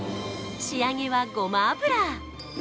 仕上げはごま油。